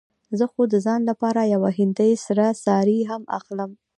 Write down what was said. زه خو د ځان لپاره يوه هندۍ سره ساړي هم اخلم.